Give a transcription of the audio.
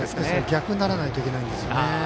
逆にならないといけないんですね。